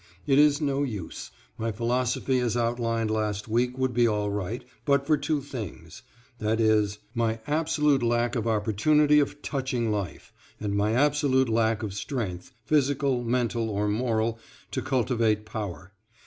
It is no use my philosophy as outlined last week would be all right, but for two things, i. e., my absolute lack of opportunity of touching life, and my absolute lack of strength, physical, mental, or moral to cultivate power.